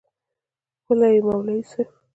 وله یی مولوی صیب